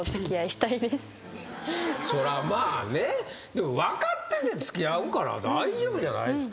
でも分かってて付き合うから大丈夫じゃないですか？